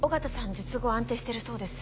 術後安定してるそうです。